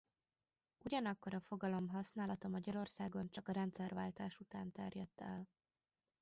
Ugyanakkor a fogalom használata Magyarországon csak a rendszerváltás után terjedt el.